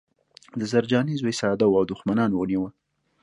د زرجانې زوی ساده و او دښمنانو ونیوه